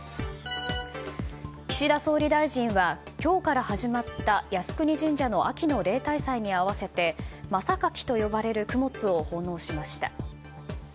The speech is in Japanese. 岸田総理大臣は今日から始まった靖国神社の秋の例大祭に合わせて真榊と呼ばれる供物を奉納しました。